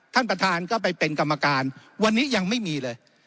ท่านประธานก็ไปเป็นกรรมการวันนี้ยังไม่มีเลย